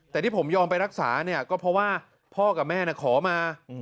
แต่ที่ผมยอมไปรักษาเนี่ยก็เพราะว่าพ่อกับแม่ขอมา